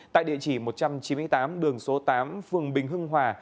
tại địa chỉ một trăm chín mươi tám đường số tám phường bình hưng hòa